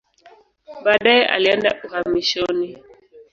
Baadaye alienda uhamishoni.